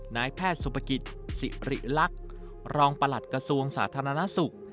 นายแพทย์สุภกิจสิริลักษณ์รองประหลัดกระทรวงสาธารณสุข